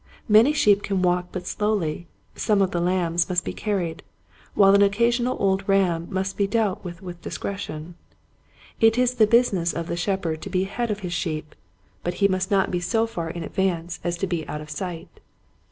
Many sheep can walk but slowly, some of the lambs must be carried, while an occasional old ram must be dealt with with discretion. It is the business of the shepherd to be ahead of his sheep, but he must not be so far in Impatience. 6^^ advance as to be out of sight.